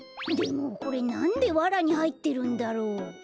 でもこれなんでわらにはいってるんだろう？